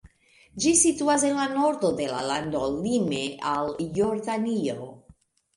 Ĝi situas en la nordo de la lando lime al Jordanio.